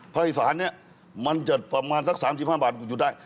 ภายสารนี่มันจะประมาณสัก๓๕บาทอยู่ได้